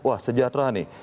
wah sejahtera nih